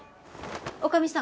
女将さん。